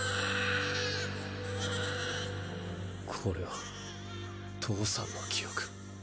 これは父さんの記憶。